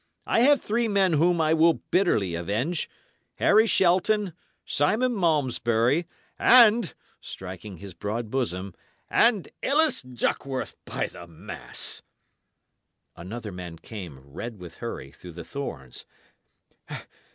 I have three men whom I will bitterly avenge Harry Shelton, Simon Malmesbury, and" striking his broad bosom "and Ellis Duckworth, by the mass!" Another man came, red with hurry, through the thorns.